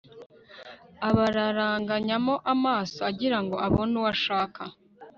abararanganyamo amaso agira ngo abone uwo ashaka